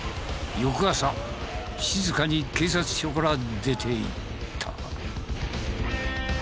翌朝静かに警察署から出ていった。